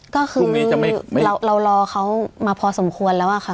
ก็คือเรารอเขามาพอสมควรแล้วอะค่ะ